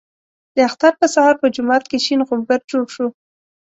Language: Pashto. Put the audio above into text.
د اختر په سهار په جومات کې شین غومبر جوړ شو.